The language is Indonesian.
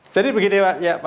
jadi begini pak